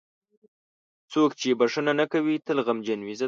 • څوک چې بښنه نه کوي، تل غمجن وي.